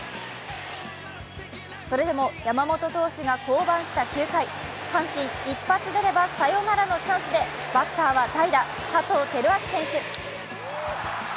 それでも山本投手が降板した９回、阪神一発出ればサヨナラのチャンスでバッターは代打・佐藤輝明選手。